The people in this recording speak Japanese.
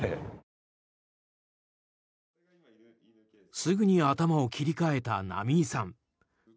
すぐに頭を切り替えた浪井さん。